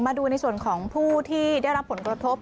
มาดูในส่วนของผู้ที่ได้รับผลกระทบ